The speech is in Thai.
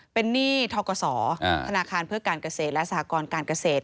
เป็นหนี้ทกศธนาคารเพื่อการเกษตรและสหกรการเกษตร